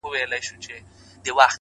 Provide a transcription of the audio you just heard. چي د وجود له آخرې رگه وتلي شراب”